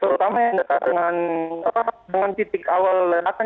terutama yang dekat dengan titik awal ledakan